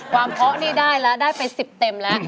ความเพาะนี่ได้แล้วได้ไปสิบเต็มแล้ว